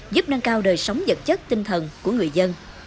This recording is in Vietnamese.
giúp nâng cao đời sống vật chất tinh thần của người dân